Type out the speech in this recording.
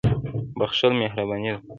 • بخښل مهرباني ده.